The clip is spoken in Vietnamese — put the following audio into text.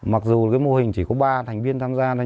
mặc dù cái mô hình chỉ có ba thành viên tham gia